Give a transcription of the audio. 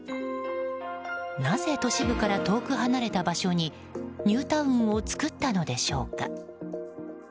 なぜ都市部から遠く離れた場所にニュータウンを作ったのでしょうか。